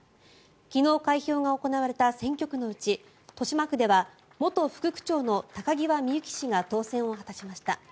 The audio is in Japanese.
昨日、開票が行われた選挙区のうち豊島区では元副区長の高際みゆき氏が当選を果たしました。